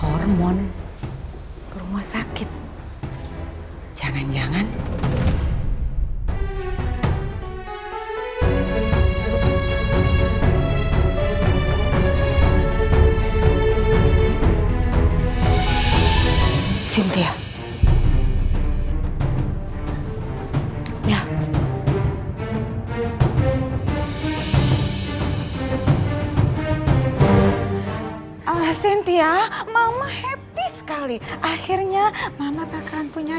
hormon rumah sakit jangan jangan